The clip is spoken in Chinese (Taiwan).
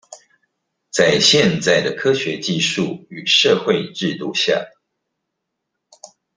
在現在的科學技術與社會制度下